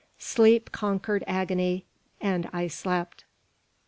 Sleep conquered agony, and I slept.